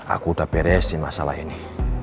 aku udah beresin masalah ini